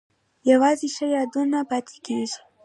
یوازې ښه یادونه پاتې کیږي